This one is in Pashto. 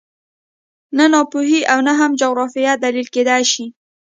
نه ناپوهي او نه هم جغرافیه دلیل کېدای شي